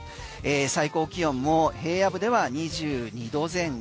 最高気温も平野部では２２度前後。